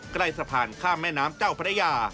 ใกล้สะพานข้ามแม่น้ำเจ้าพระยา